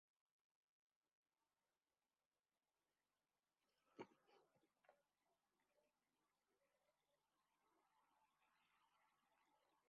Al año siguiente volvió a salir campeón de la Segunda División y ascendió.